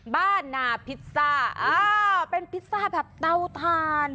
บ้านนาพิซซ่าเป็นพิซซ่าแบบเตาถ่าน